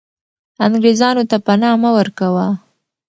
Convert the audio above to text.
انګریزانو ته پنا مه ورکوه.